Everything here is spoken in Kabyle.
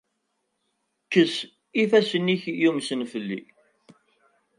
Kkes ifassen-nnek yumsen fell-i!